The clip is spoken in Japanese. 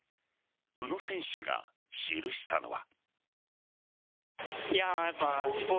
宇野選手が記したのは。